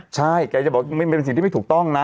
ใช่แกจะบอกเป็นสิ่งที่ไม่ถูกต้องนะ